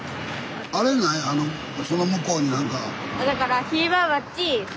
あれ何やあのその向こうに何か。